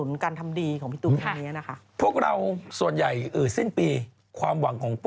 สกมิณบางคนก็ว่าอยากได้โบนัท